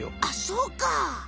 あっそうか！